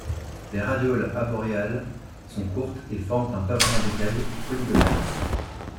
Les radioles aborales sont courtes et forment un pavement d'écailles polygonales.